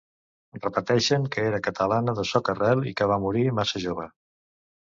Repeteixen que era catalana de soca-rel i que va morir massa jove.